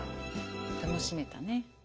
楽しめたね。